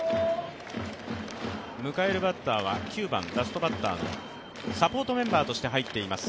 迎えるバッターは９番ラストバッターのサポートメンバートとして入っています。